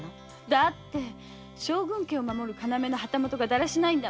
だって将軍家を守る要の旗本がだらしないんだもの。